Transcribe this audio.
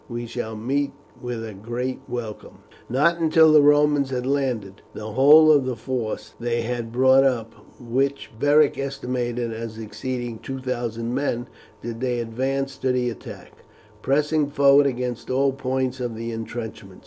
We shall meet with a great welcome." Not until the Romans had landed the whole of the force they had brought up, which Beric estimated as exceeding two thousand men, did they advance to the attack, pressing forward against all points of the intrenchment.